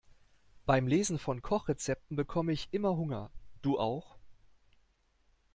Beim Lesen von Kochrezepten bekomme ich immer Hunger, du auch?